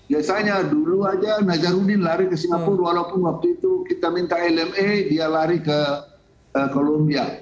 biasanya dulu aja najarudin lari ke singapura walaupun waktu itu kita minta lma dia lari ke columbia